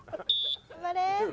頑張れ。